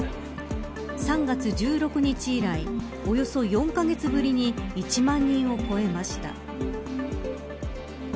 ３月１６日以来およそ４カ月ぶりに１万人を超えました。